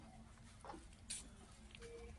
Kupe husambaza ugonjwa wa majimoyo